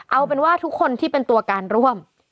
เอาเป็นว่าทุกคนที่เป็นตัวการร่วม